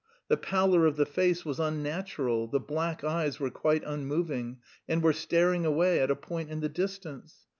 The pallor of the face was unnatural, the black eyes were quite unmoving and were staring away at a point in the distance.